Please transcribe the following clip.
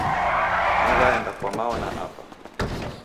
Naw'aenda kwa mao na apa.